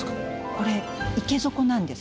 これ池底なんです。